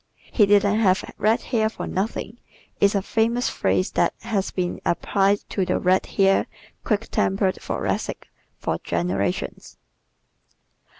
"He didn't have red hair for nothing" is a famous phrase that has been applied to the red haired, quick tempered Thoracic for generations.